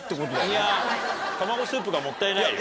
いやたまごスープがもったいないよ。